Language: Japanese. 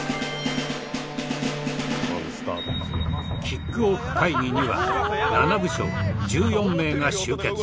キックオフ会議には７部署１４名が集結。